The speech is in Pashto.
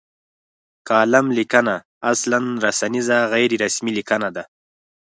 کالم لیکنه اصلا رسنیزه غیر رسمي لیکنه ده.